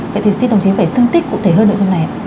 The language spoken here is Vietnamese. vậy thì xin đồng chí phải phân tích cụ thể hơn nội dung này